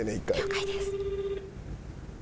了解です。